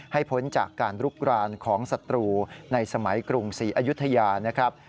พ้นจากการลุกรานของศัตรูในสมัยกรุงศรีอายุทยานะครับ